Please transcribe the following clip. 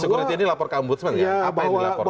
sekuriti ini dilaporkan ke ombudsman ya apa yang dilaporkan